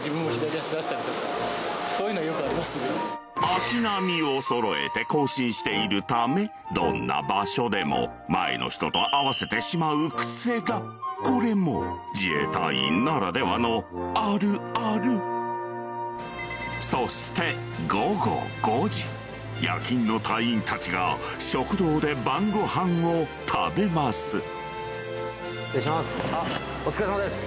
足並みをそろえて行進しているためどんな場所でも前の人と合わせてしまう癖がこれも自衛隊員ならではのあるあるそして夜勤の隊員たちが食堂で晩ごはんを食べます失礼します